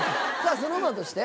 ＳｎｏｗＭａｎとして？